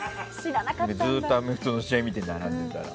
ずっとアメフトの試合見て並んでたら。